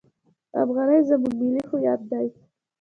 افغانۍ زموږ ملي هویت ده!